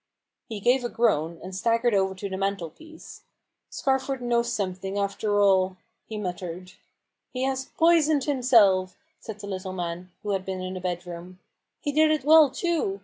He gave a groan, and staggered over to the mantel piece. " Scarford knows something, after all! " he muttered. " He has poisoned himself," said the little man, who had been in the bedroom, "he did it well, too